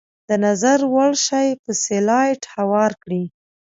د نظر وړ شی په سلایډ هوار کړئ.